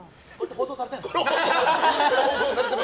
放送されてる。